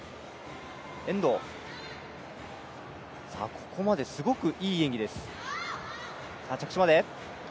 ここまで、すごくいい演技です。